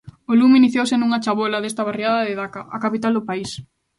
O lume iniciouse nunha chabola desta barriada de Dacca, a capital do país.